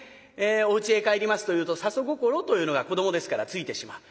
おうちへ帰りますというと里心というのが子どもですからついてしまう。